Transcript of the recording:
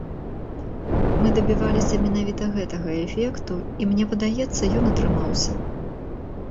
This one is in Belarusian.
Мы дабіваліся менавіта гэтага эфекту, і, мне падаецца, ён атрымаўся.